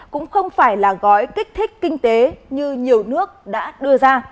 cũng không phải là gói kích thích kinh tế như nhiều nước đã đưa ra